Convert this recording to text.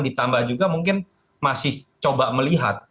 ditambah juga mungkin masih coba melihat